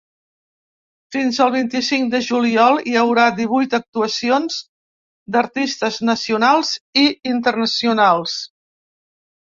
Fins al vint-i-cinc de juliol, hi haurà divuit actuacions d’artistes nacionals i internacionals.